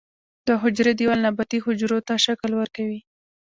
د حجرې دیوال نباتي حجرو ته شکل ورکوي